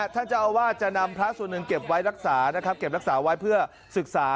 ท่านเจ้าอาวาสจะนำพระส่วนหนึ่งเก็บไว้รักษานะครับเก็บรักษาไว้เพื่อศึกษา